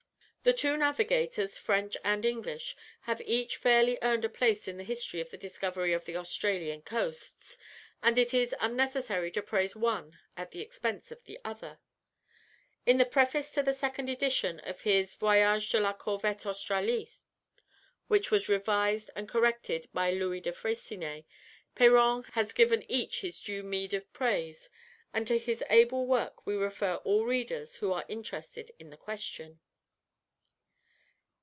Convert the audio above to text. The two navigators, French and English, have each fairly earned a place in the history of the discovery of the Australian coasts, and it is unnecessary to praise one at the expense of the other. In the preface to the second edition of his "Voyage de la Corvette Australis" which was revised and corrected by Louis de Freycinet, Péron has given each his due meed of praise; and to his able work we refer all readers who are interested in the question.